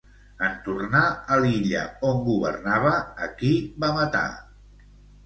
En tornar a l'illa on governava, a qui va matar?